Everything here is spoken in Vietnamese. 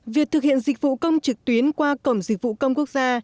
việc thực hiện dịch vụ công trực tuyến qua cổng dịch vụ công quốc gia